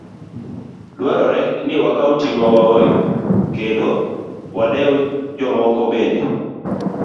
Dwarore ni wakaw ting'wa wawegi, kendo wadew jomoko bende.